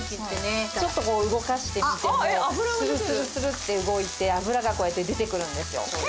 ちょっとこう動かしてみてもするするするって動いて脂がこうやって出てくるんですよ。